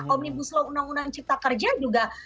omnibus law undang undang cipta kerja juga